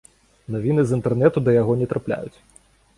Навіны з інтэрнэту да яго не трапляюць.